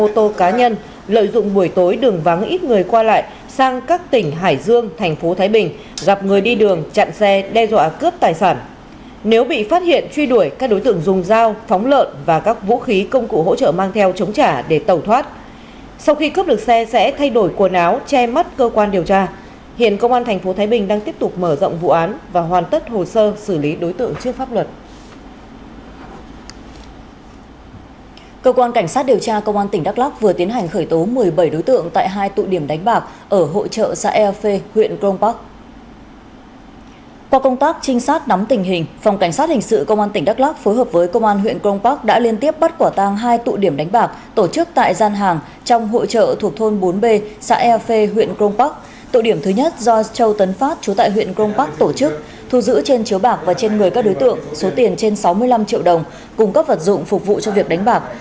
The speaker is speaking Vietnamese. tụ điểm thứ nhất do châu tấn phát chú tại huyện công park tổ chức thu giữ trên chiếu bạc và trên người các đối tượng số tiền trên sáu mươi năm triệu đồng cung cấp vật dụng phục vụ cho việc đánh bạc